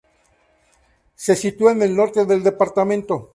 Se sitúa en el norte del departamento.